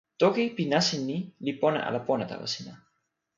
toki pi nasin ni li pona ala pona tawa sina?